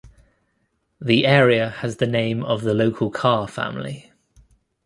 The area has the name of the local Carr family.